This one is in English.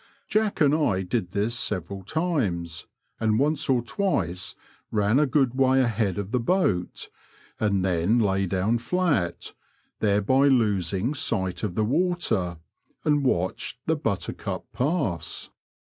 Jack and I did this several times, and once or twice ran a good way ahead of the boat, and then lay down flat — thereby losing sight of the water — and watched the Buttercup pass.